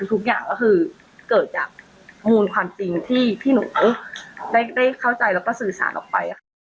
ทุกอย่างก็คือเกิดจากมูลความจริงที่พี่หนูได้เข้าใจแล้วก็สื่อสารออกไปค่ะ